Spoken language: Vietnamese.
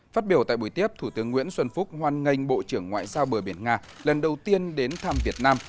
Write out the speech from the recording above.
phát biểu tại buổi tiếp thủ tướng nguyễn xuân phúc hoan nghênh bộ trưởng ngoại giao bờ biển nga lần đầu tiên đến thăm việt nam